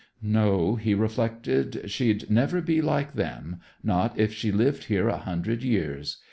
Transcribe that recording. "No," he reflected; "she'd never be like them, not if she lived here a hundred years.